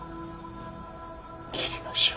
切りましょう。